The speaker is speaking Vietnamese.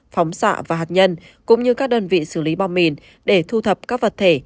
phóng xạ và hạt nhân cũng như các đơn vị xử lý bom mìn để thu thập các vật thể